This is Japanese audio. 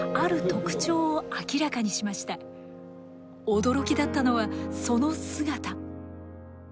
驚きだったのはその姿。